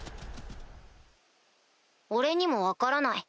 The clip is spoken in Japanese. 俺にも分からない。